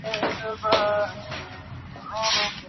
ان کی مسکان میں آپ کو اپنی مسکراہٹ دکھائی دیتی ہے۔